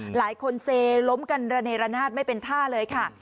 หลายคนเสร็จล้มกันในระนาดไม่เป็นท่าเลยค่ะ